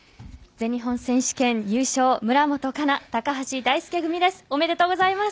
全日本選手権優勝村元哉中・高橋大輔組です。